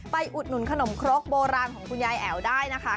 อุดหนุนขนมครกโบราณของคุณยายแอ๋วได้นะคะ